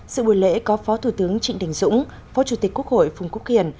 sự buổi lễ có phó thủ tướng trịnh đình dũng phó chủ tịch quốc hội phùng quốc hiển